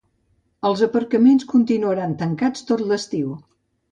Els aparcaments continuaran tancats tot l’estiu.